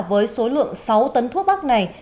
với số lượng sáu tấn thuốc bắc này